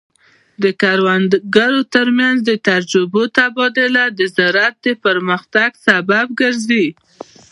د کروندګرو ترمنځ د تجربو تبادله د زراعت د پرمختګ سبب ګرځي.